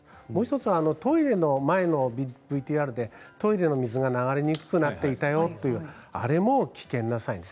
もう１つＶＴＲでトイレの水が流れにくくなっていたよというあれも危険なサインです。